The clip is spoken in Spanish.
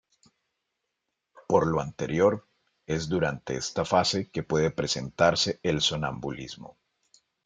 Por lo anterior, es durante esta fase que puede presentarse el sonambulismo.